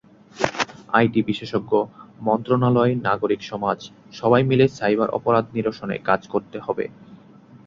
IT বিশেষজ্ঞ, মন্ত্রণালয়, নাগরিক সমাজ—সবাই মিলে সাইবার অপরাধ নিরসনে কাজ করতে হবে।